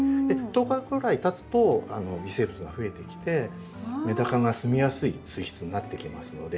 １０日ぐらいたつと微生物がふえてきてメダカが住みやすい水質になってきますので。